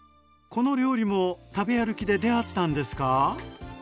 この料理も食べ歩きで出会ったんですか？